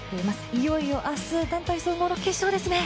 いよいよ明日団体総合の決勝ですね。